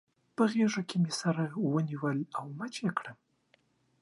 په غېږ کې مې سره ونیول او مچ يې کړم.